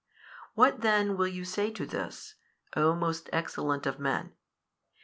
What then will you say to this, o most excellent of men?